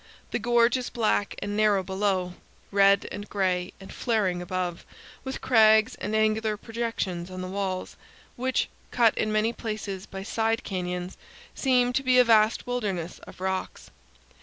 The gorge is black and narrow below, red and gray and flaring above, with crags and angular projections on the walls, which, cut in many places by side canyons, seem to be a vast wilderness of rocks.